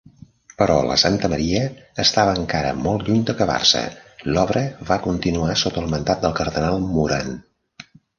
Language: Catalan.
Però la Santa Maria estava encara molt lluny d'acabar-se, l'obra va continuar sota el mandat del cardenal Moran.